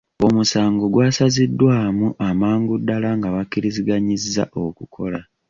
Omusango gwasaziddwamu amangu ddala nga bakiriziganyizza okukola.